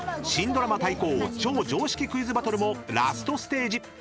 ［新ドラマ対抗超常識クイズバトルもラストステージ］